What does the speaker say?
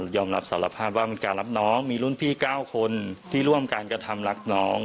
ยอมรับสารภาพว่ามันการรับน้องมีรุ่นพี่๙คนที่ร่วมการกระทำรักน้อง